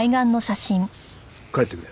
帰ってくれ。